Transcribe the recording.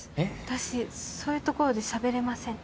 私そういうところでしゃべれません